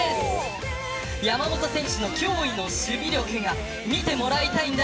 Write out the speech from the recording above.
山本選手の脅威の守備力が見てもらいたいんだ。